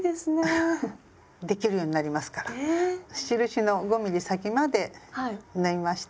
印の５ｍｍ先まで縫いました。